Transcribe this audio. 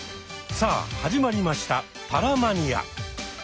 さあ始まりました「パラマニア」。